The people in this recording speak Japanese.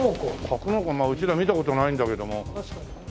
格納庫うちら見た事ないんだけども。